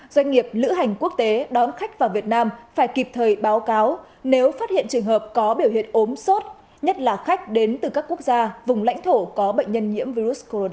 doanh nghiệp lữ hành quốc tế đón khách vào việt nam phải kịp thời báo cáo nếu phát hiện trường hợp có biểu hiện ốm sốt nhất là khách đến từ các quốc gia vùng lãnh thổ có bệnh nhân nhiễm virus corona